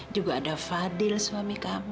juga ada fadil suami kami